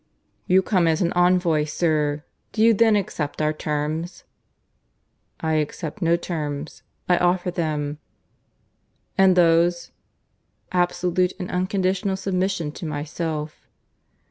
"You come as an envoy, sir. Do you then accept our terms?" "I accept no terms. I offer them." "And those?" "Absolute and unconditional submission to myself."